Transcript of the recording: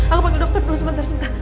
aku pakai dokter dulu sebentar sebentar